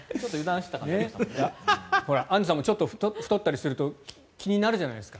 アンジュさんもちょっと太ったりすると気になったりするじゃないですか。